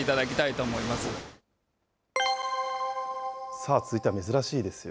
さあ、続いては珍しいですよ。